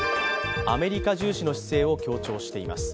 アメリカ重視の姿勢を強調しています。